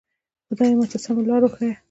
خدایه ماته سمه لاره وښیه.